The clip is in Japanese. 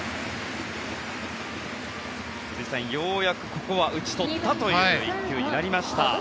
辻さん、ようやくここは打ち取ったという一球になりました。